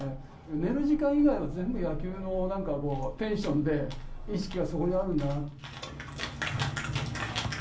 寝る時間以外は全部野球のなんかテンションで、意識はそこにあるんだな。